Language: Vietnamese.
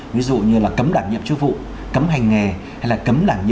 ví dụ như là cấm làm nhiệm chức vụ cấm hành nghề hay là cấm làm nhiệm